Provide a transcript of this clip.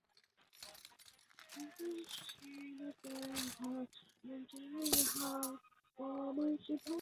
此后该家族继承人一直被中央政府封为辅国公或台吉爵位。